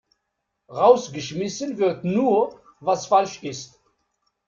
Rausgeschmissen wird nur, was falsch ist.